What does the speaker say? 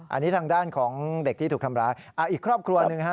อันนี้ทางด้านของเด็กที่ถูกทำร้ายอีกครอบครัวหนึ่งฮะ